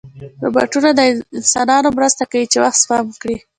روبوټونه د انسانانو مرسته کوي چې وخت سپم کړي.